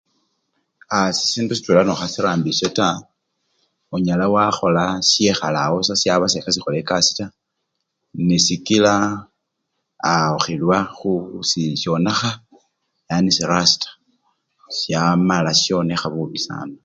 Aaa sisindu sitwela nokhasirambishe taa onyala wakhola shekhalawo busa shaba sekhesikhola ekasii taa nesikila ohilwa khukhu-aa shonekha yani si-rasita shamala shonekha bubi sana.